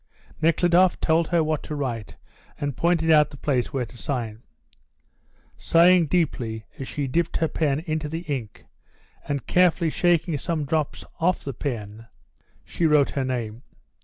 Nekhludoff told her what to write and pointed out the place where to sign. Sighing deeply as she dipped her pen into the ink, and carefully shaking some drops off the pen, she wrote her name.